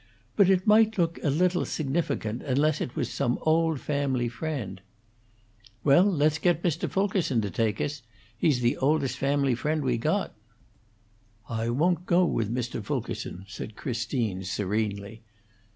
"But it might look a little significant, unless it was some old family friend." "Well, let's get Mr. Fulkerson to take us. He's the oldest family friend we got." "I won't go with Mr. Fulkerson," said Christine, serenely.